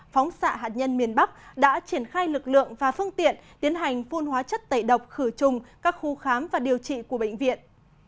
phóng xạ hạt nhân miền bắc đã triển khai lực lượng và phương tiện tiến hành phun hóa chất tẩy độc khử trùng các khu khám và điều trị của bệnh viện